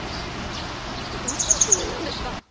あなたはどうするつもりなんですか？